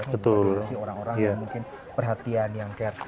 membuka donasi orang orang yang mungkin perhatian yang care